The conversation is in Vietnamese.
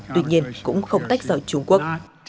tuy nhiên cũng không tách rời trung quốc